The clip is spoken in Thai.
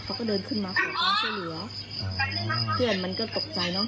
เขาก็เดินขึ้นมาขอความช่วยเหลือเพื่อนมันก็ตกใจเนอะ